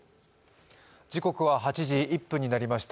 時刻は８時１分になりました。